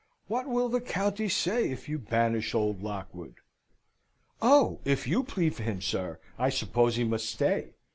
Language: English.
"What will the county say if you banish old Lockwood?" "Oh! if you plead for him, sir, I suppose he must stay.